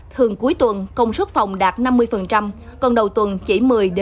thường cuối tuần công suất phòng đạt năm mươi còn đầu tuần chỉ một mươi ba mươi